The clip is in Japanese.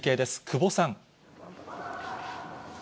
久保さん。